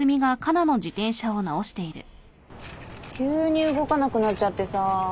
急に動かなくなっちゃってさ。